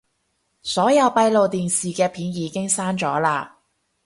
所有閉路電視嘅片已經刪咗喇